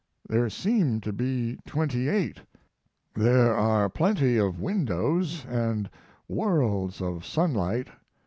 There seem to be 28. There are plenty of windows & worlds of sunlight.